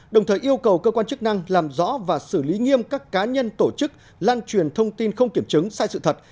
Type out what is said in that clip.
đồng thời yêu cầu cơ quan chức năng làm rõ và xử lý nghiêm các cá nhân tổ chức lan truyền thông tin không kiểm chứng sai sự thật